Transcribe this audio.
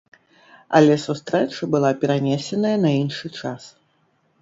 Але сустрэча была перанесеная на іншы час.